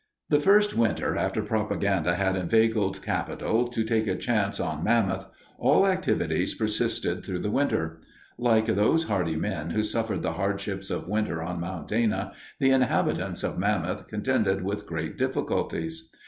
The first winter after propaganda had inveigled capital to take a chance on Mammoth, all activities persisted through the winter. Like those hardy men who suffered the hardships of winter on Mount Dana, the inhabitants of Mammoth contended with great difficulties.